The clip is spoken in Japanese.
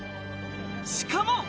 しかも！